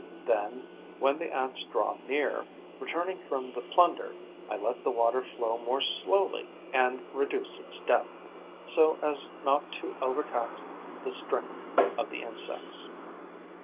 Then, when the Ants draw near, returning from the plunder, I let the water flow more slowly and reduce its depth, so as not to overtax the strength of the insects.